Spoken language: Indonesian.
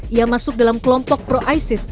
ia masuk dalam kelompok pro isis